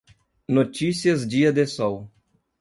Notícias dia de sol